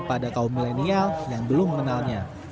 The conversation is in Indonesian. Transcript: pada kaum milenial yang belum mengenalnya